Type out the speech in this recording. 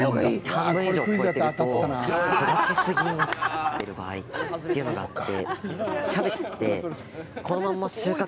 半分以上、超えてると育ちすぎになってる場合っていうのがあって。